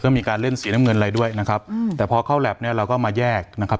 ก็มีการเล่นสีน้ำเงินอะไรด้วยนะครับอืมแต่พอเข้าแล็บเนี่ยเราก็มาแยกนะครับ